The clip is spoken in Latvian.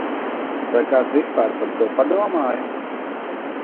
Vai kāds vispār par to padomāja?